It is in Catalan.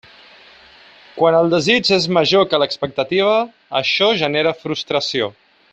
Quan el desig és major que l'expectativa, això genera frustració.